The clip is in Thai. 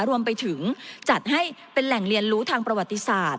รวมไปถึงจัดให้เป็นแหล่งเรียนรู้ทางประวัติศาสตร์